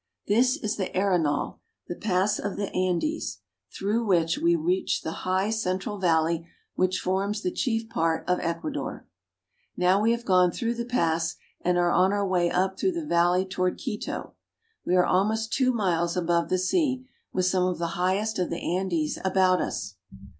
This is the Arenal, the pass of the Andes through LAND OF THE EQUATOR. 45 Village in the Andes. which we reach the high central valley which forms the chief part of Ecuador. Now we have gone through the pass and are on our way up through the valley toward Quito. We are almost two miles above the sea, with some of the highest of the Andes about us.